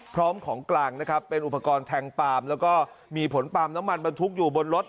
พร้อมของกลางนะครับเป็นอุปกรณ์แทงปาล์มแล้วก็มีผลปาล์มน้ำมันบรรทุกอยู่บนรถ